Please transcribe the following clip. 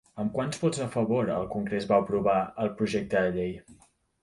Amb quants vots a favor el Congrés va aprovar el projecte de llei?